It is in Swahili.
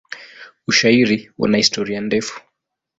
Ushairi una historia ndefu.